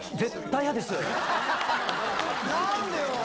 何でよ